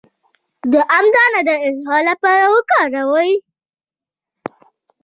د ام دانه د اسهال لپاره وکاروئ